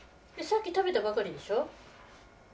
さっき食べたばかりでしょう？